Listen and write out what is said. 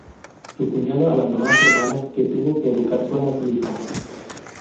Su cuñado abandonó a su hermana, que tuvo que educar sola a su hijo.